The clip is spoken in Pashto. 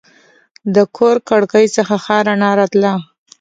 د کور کړکۍ څخه ښه رڼا راتله.